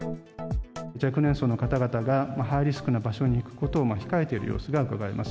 若年層の方々がハイリスクな場所に行くことを控えている様子がうかがえます。